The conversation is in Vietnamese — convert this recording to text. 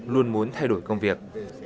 luôn muốn thay đổi công việc